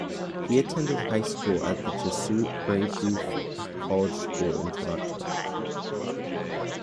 He attended high school at the Jesuit Brebeuf College School in Toronto.